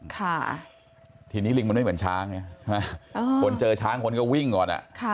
ค่ะทีนี้ลิงมันไม่เหมือนช้างไงคนเจอช้างคนก็วิ่งก่อนอ่ะค่ะ